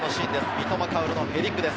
三笘薫のヘディングです。